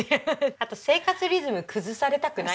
あと生活リズム崩されたくない。